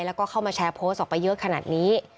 แล้วก็เข้ามาแชร์โพสต์ออกไปเยอะขนาดนี้